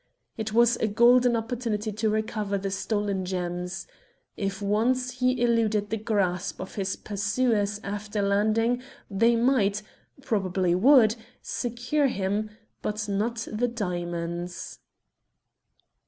It was a golden opportunity to recover the stolen gems. If once he eluded the grasp of his pursuers after landing they might probably would secure him, but not the diamonds.